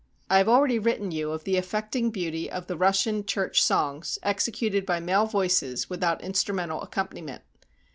'' I have already written you of the affecting beauty of the Russian church songs, executed by male voices without instrumental accompaniment.